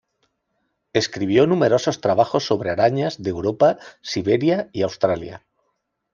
Escribió numerosos trabajos sobre arañas de Europa, Siberia y Australia.